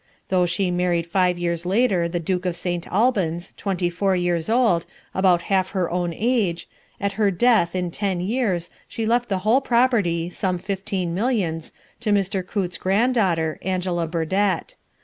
Though she married five years later the Duke of St. Albans, twenty four years old, about half her own age, at her death, in ten years, she left the whole property, some fifteen millions, to Mr. Coutts' granddaughter, Angela Burdett.